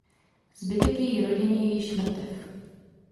Zbytek její rodiny je již mrtev.